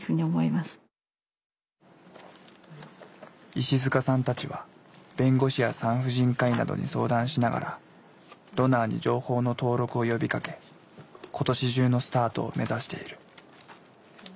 石塚さんたちは弁護士や産婦人科医などに相談しながらドナーに情報の登録を呼びかけ今年中のスタートを目指している。